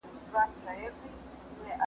معیوبینو ته درناوی وکړئ.